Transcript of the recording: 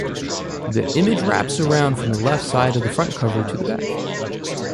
The image wraps around from left side of the front cover to the back.